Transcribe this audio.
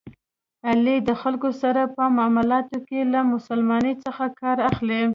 علي د خلکو سره په معاملاتو کې له مسلمانی څخه کار اخلي.